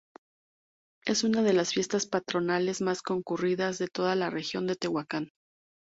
Es una de las fiestas patronales más concurridas de toda la región de Tehuacán.